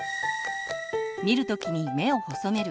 見る時に目を細める。